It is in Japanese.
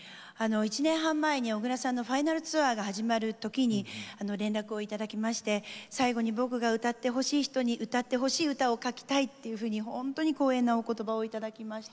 １年半前に小椋さんのファイナルツアーが始まる時に連絡を頂きまして最後に僕が歌ってほしい人に歌ってほしい歌を書きたいっていうふうに本当に光栄なお言葉を頂きました。